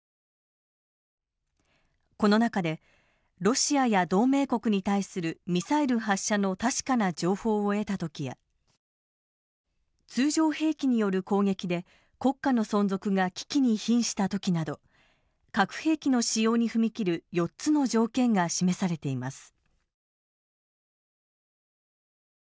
この中でロシアや同盟国に対するミサイル発射の確かな情報を得たときや通常兵器による攻撃で国家の存続が危機にひんしたときなど核兵器の使用に踏み切る４つの条件が示されています。